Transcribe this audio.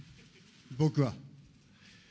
僕は。